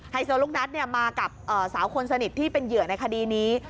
ไฮโซลุกนัดเนี่ยมากับเอ่อสาวคนสนิทที่เป็นเหยื่อในคดีนี้